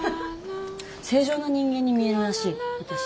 正常な人間に見えるらしい私。